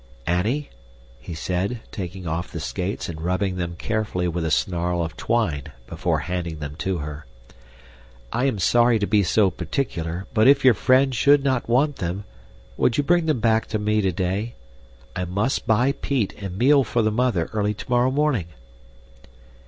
"Annie," he said, taking off the skates and rubbing them carefully with a snarl of twine before handing them to her, "I am sorry to be so particular, but if your friend should not want them, will you bring them back to me today? I must buy peat and meal for the mother early tomorrow morning."